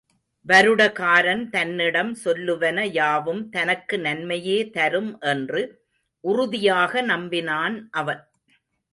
வருடகாரன் தன்னிடம் சொல்லுவன யாவும் தனக்கு நன்மையே தரும் என்று உறுதியாக நம்பினான் அவன்.